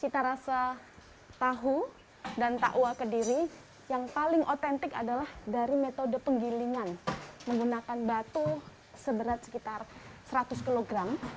cita rasa tahu dan takwa kediri yang paling otentik adalah dari metode penggilingan menggunakan batu seberat sekitar seratus kg